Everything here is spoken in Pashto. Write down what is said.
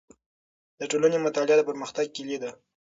د ټولنې مطالعه د پرمختګ کیلي ده.